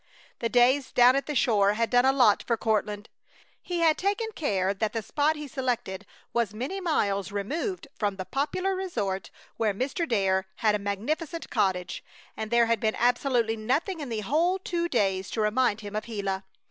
The days down at the shore had done a lot for Courtland. He had taken care that the spot he selected was many miles removed from the popular resort where Mr. Dare had a magnificent cottage; and there had been absolutely nothing in the whole two days to remind him of Gila.